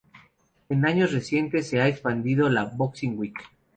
En años recientes se ha expandido a la "Boxing Week".